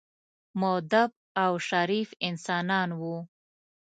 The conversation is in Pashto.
مودب او شریف انسانان وو.